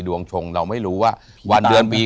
ชงเราไม่รู้ว่าวันเดือนปี